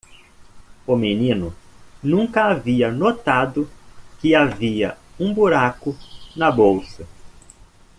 O menino nunca havia notado que havia um buraco na bolsa.